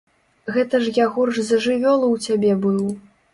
Гэта ж я горш за жывёлу ў цябе быў.